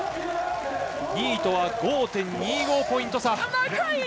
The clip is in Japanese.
２位とは５．２５ポイント差。